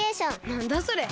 なんだそれ？